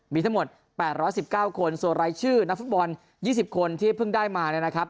มีทั้งหมด๘๑๙คนส่วนรายชื่อนักฟุตบอล๒๐คนที่เพิ่งได้มาเนี่ยนะครับ